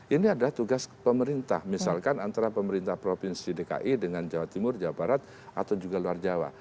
ini adalah tugas pemerintah misalkan antara pemerintah provinsi dki dengan jawa timur jawa barat atau juga luar jawa